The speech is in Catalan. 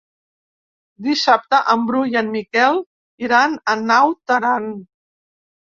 Dissabte en Bru i en Miquel iran a Naut Aran.